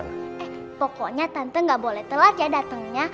eh pokoknya tante gak boleh telat ya datengnya